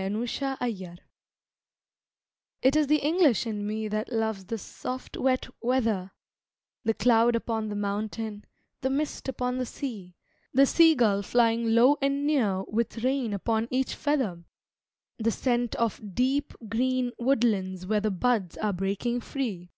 Wet Weather IT is the English in me that loves the soft, wet weather The cloud upon the mountain, the mist upon the sea, The sea gull flying low and near with rain upon each feather, The scent of deep, green woodlands where the buds are breaking free.